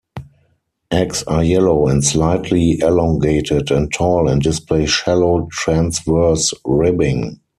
Eggs are yellow and slightly elongated and tall and display shallow transverse ribbing.